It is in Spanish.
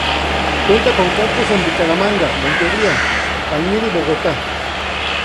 Cuenta con campus en Bucaramanga, Montería, Palmira y Bogotá.